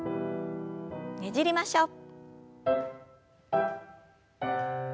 ねじりましょう。